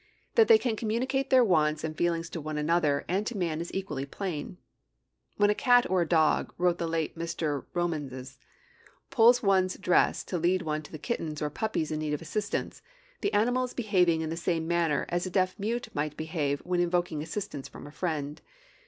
That they can communicate their wants and feelings to one another and to man is equally plain. 'When a cat or a dog,' wrote the late Mr. Romanes, 'pulls one's dress to lead one to the kittens or puppies in need of assistance, the animal is behaving in the same manner as a deaf mute might behave when invoking assistance from a friend.